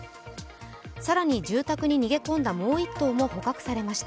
更に住宅に逃げ込んだもう１頭も捕獲されました。